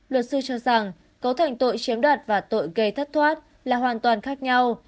luật sư cho rằng cấu thành tội chiếm đoạt và tội gây thất thoát là hoàn toàn khác nhau